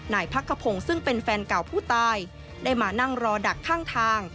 พักขพงศ์ซึ่งเป็นแฟนเก่าผู้ตายได้มานั่งรอดักข้างทาง